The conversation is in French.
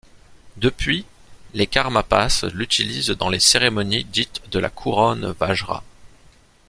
Depuis, les Karmapas l’utilisent lors des cérémonies dite de la Couronne Vajra.